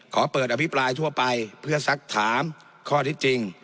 ขอเปิดอภิปรายทั่วไปเพื่อสักถามข้อที่จริง